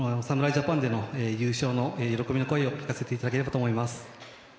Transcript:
ジャパンでの優勝の喜びの声を聞かせていただければと思います。